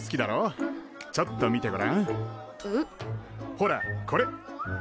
ほらこれ。